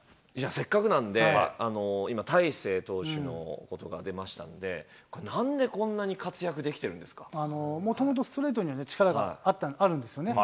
せっかくなんで、今、大勢投手のことが出ましたんで、なんでこんなに活躍できてるんでもともとストレートに力があるんですよね。